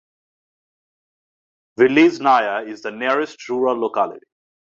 Vilizhnaya is the nearest rural locality.